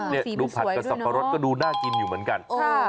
สีมันสวยด้วยนะดูผัดสับปะรดก็ดูน่าจีนอยู่เหมือนกัน